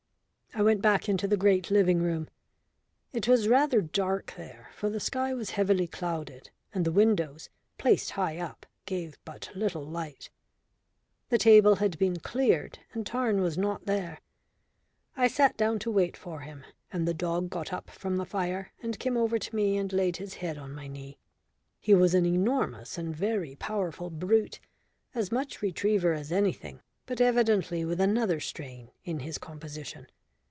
I went back into the great living room. It was rather dark there, for the sky was heavily clouded and the windows, placed high up, gave but little light. The table had been cleared, and Tarn was not there. I sat down to wait for him, and the dog got up from the fire and came over to me and laid his head on my knee. He was an enormous and very powerful brute, as much retriever as anything, but evidently with another strain in his composition.